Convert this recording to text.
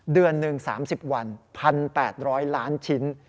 เดือนหนึ่ง๓๐วัน๑๘๐๐ล้านชิ้น